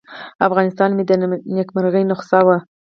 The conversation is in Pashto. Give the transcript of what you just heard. افغانستان مې د نیکمرغۍ نسخه وه.